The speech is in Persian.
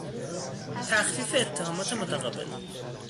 تخفیف اتهامات متقابل